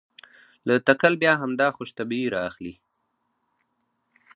له تکل بیا همدا خوش طبعي رااخلي.